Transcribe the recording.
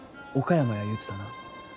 岡山や言うてたな？